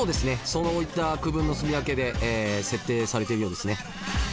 そういった区分のすみ分けで設定されているようですね。